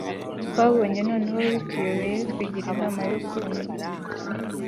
twabonye noneho bituyobeye twigira inama yo kumva